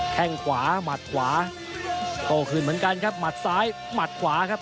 แค่งขวาหมัดขวาโต้คืนเหมือนกันครับหมัดซ้ายหมัดขวาครับ